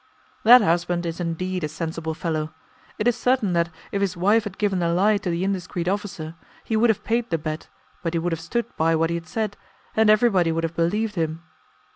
"That husband is indeed a sensible fellow. It is certain that, if his wife had given the lie to the indiscreet officer, he would have paid the bet, but he would have stood by what he had said, and everybody would have believed him.